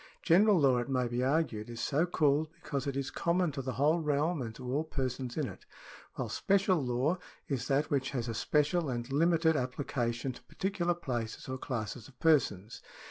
General law, it may be argued, is so called because it is common to the whole realm and to all persons in it, while special law is that which has a special and limited application to particular places or classes of persons.